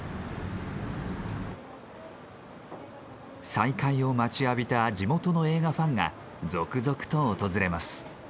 再会を待ちわびた地元の映画ファンが続々と訪れます。